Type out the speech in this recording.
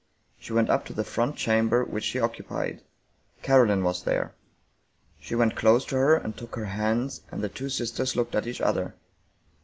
She went up to the front cham ber which she occupied. Caroline was there. She went close to her and took her hands, and the two sisters looked at each other.